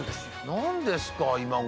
何ですか今頃。